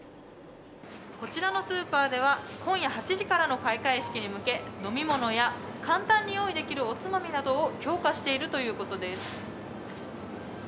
こちらのスーパーでは、今夜８時からの開会式に向け、飲み物や簡単に用意できるおつまみなどを強化しているということです。